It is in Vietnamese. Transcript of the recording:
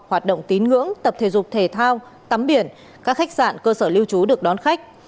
hoạt động tín ngưỡng tập thể dục thể thao tắm biển các khách sạn cơ sở lưu trú được đón khách